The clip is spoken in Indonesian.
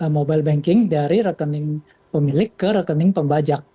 jadi mereka memiliki penggunaan bank dari rekening pemilik ke rekening pembajak